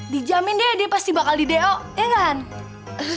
dijamin deh dia pasti bakal di deo ya gak han